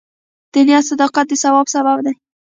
د نیت صداقت د ثواب سبب دی.